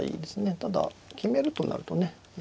ただ決めるとなるとね。